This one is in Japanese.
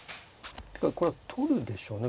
これは取るでしょうね。